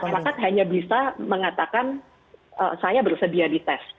masyarakat hanya bisa mengatakan saya bersedia di test